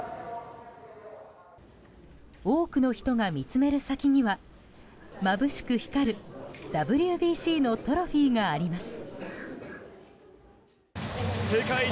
多くの人が見つめる先にはまぶしく光るＷＢＣのトロフィーがあります。